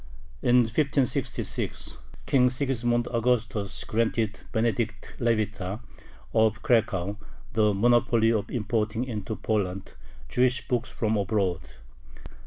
In 1566 King Sigismund Augustus granted Benedict Levita, of Cracow, the monopoly of importing into Poland Jewish books from abroad.